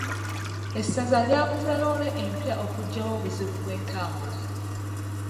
Esaza lyaguze loole empya okugyawo obuzibu bw'entambula.